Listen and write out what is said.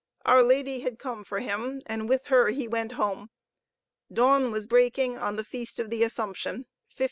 Our Lady had come for him, and with her he went home. Dawn was breaking on the Feast of the Assumption, 1568.